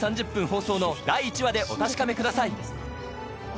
放送の第１話でお確かめください